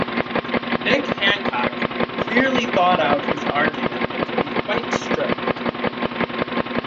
Nick Hancock clearly thought out his argument and could be quite strict.